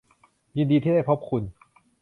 ยินดีที่ได้พบคุณ